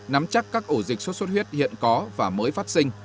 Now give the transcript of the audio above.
nắm chắc các ổ dịch suốt suốt huyết hiện có và mới phát sinh